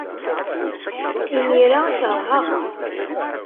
Imir-a, keṛheɣ-tt.